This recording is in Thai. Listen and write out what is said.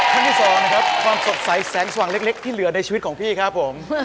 ท่านที่สองนะครับความสดใสแสงสว่างเล็กที่เหลือในชีวิตของพี่ครับผม